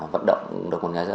vận động của đức cường